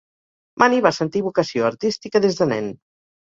Mani va sentir vocació artística des de nen.